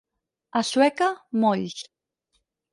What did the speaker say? A Sueca, molls.